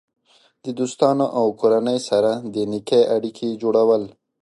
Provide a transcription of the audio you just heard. د دوستانو او کورنۍ سره د نیکې اړیکې جوړول.